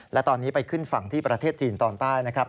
และตอนนี้ไปขึ้นฝั่งที่ประเทศจีนตอนใต้นะครับ